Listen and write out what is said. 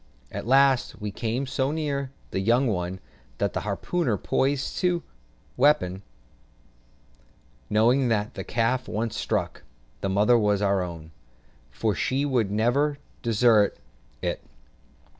At last we came so near the young one, that the harpooner poised his weapon, knowing that the calf once struck, the mother was our own, for she would never desert it.